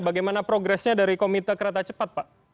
bagaimana progresnya dari komite kereta cepat pak